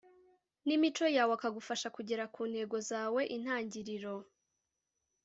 n imico yawe akagufasha kugera ku ntego zawe Intangiriro